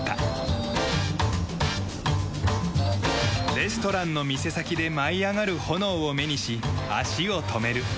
レストランの店先で舞い上がる炎を目にし足を止める。